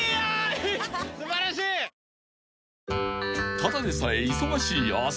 ［ただでさえ忙しい朝。